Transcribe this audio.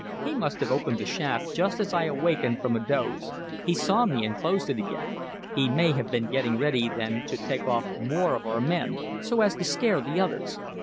He must have opened the shaft just as I awakened from a doze. He saw me and closed it again. He may have been getting ready then to take off more of our men, so as to scare the others.